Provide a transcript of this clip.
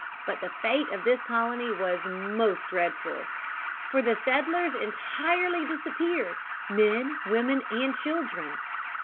But the fate of this colony was most dreadful. For the settlers entirely disappeared, men, women, and children.